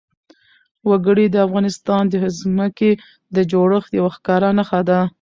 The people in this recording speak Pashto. وګړي د افغانستان د ځمکې د جوړښت یوه ښکاره نښه ده.